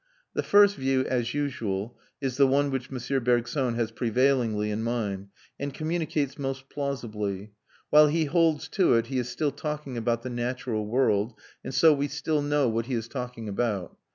The first view, as usual, is the one which M. Bergson has prevailingly in mind, and communicates most plausibly; while he holds to it he is still talking about the natural world, and so we still know what he is talking about.